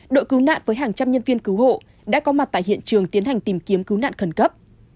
đội cứu nạn với hàng trăm nhân viên cứu hộ đã có mặt tại hiện trường tiến hành tìm kiếm cứu nạn khẩn cấp